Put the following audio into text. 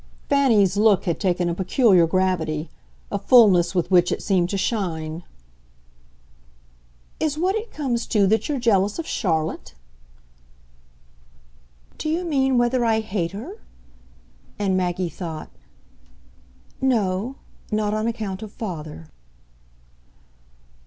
Fanny's look had taken a peculiar gravity a fulness with which it seemed to shine. "Is what it comes to that you're jealous of Charlotte?" "Do you mean whether I hate her?" and Maggie thought. "No; not on account of father."